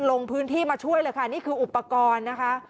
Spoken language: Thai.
ลงพื้นที่มาช่วยเลยค่ะนี่คืออุปกรณ์นะคะ